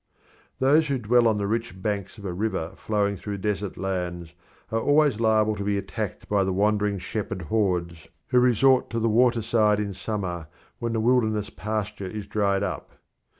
Those who dwell on the rich banks of a river flowing through desert lands are always liable to be attacked by the wandering shepherd hordes who resort to the waterside in summer, when the wilderness pasture is dried up.